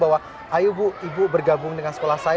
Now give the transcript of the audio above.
bahwa ayo bu ibu bergabung dengan sekolah saya